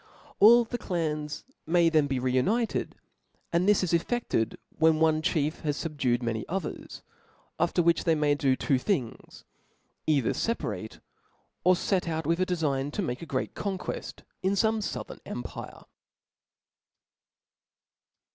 All the clans may then be re united, and this is cfFefted when one chief has fubdued many others •, jifccr which they may do two things, either Ic pa* yate, or fet out with a defign to make a great con queft in fome fouthern empire.